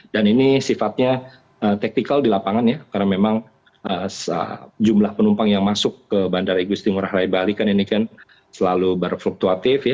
dan ini sifatnya teknikal di lapangan ya karena memang jumlah penumpang yang masuk ke bandara igusti ngurah rai bali kan ini kan selalu berfluktuatif ya